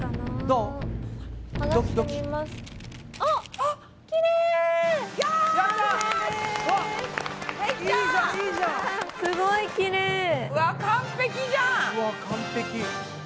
うわ完璧！